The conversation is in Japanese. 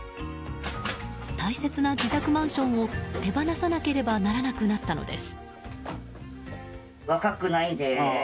大切な自宅マンションを手放さなければならなくなったのです。